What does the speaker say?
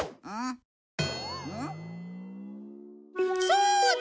そうだ！